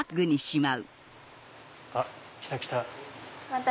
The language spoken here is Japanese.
あっ来た来た！